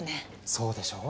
そうでしょう？